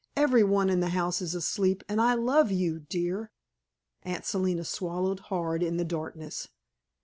"Every one in the house is asleep, and I love you, dear." Aunt Selina swallowed hard in the darkness.